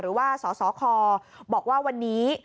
หรือว่าสสคบอกว่าวันนี้